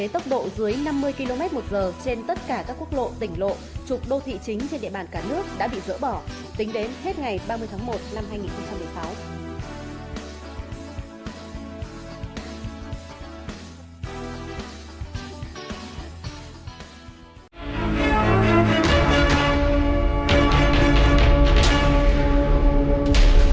tốc độ dưới năm mươi km một giờ trên tất cả các quốc lộ tỉnh lộ trục đô thị chính trên địa bàn cả nước đã bị dỡ bỏ tính đến hết ngày ba mươi tháng một năm hai nghìn một mươi sáu